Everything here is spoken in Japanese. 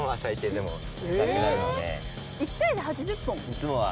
いつもは。